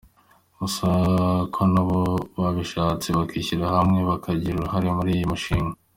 Gusa ko nabo babishatse bakwishyira hamwe bakagira uruhare muri uyu mushinga.